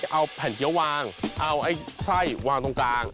เอาแผ่นเกี้ยววางเอาไอ้ไส้วางตรงกลาง